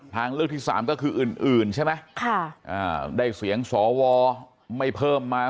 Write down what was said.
ทางเลือกที่สามก็คืออื่นใช่ไหมได้เสียงสวไม่เพิ่มมา